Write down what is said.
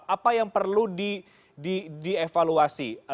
apa yang perlu dievaluasi